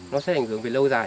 nó sẽ ảnh hưởng về lâu dài